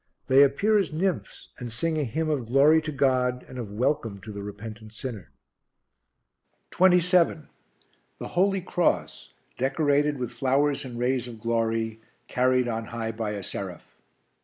They appear as nymphs and sing a hymn of glory to God and of welcome to the repentant sinner. 27. The Holy Cross, decorated with flowers and rays of glory, carried on high by a seraph.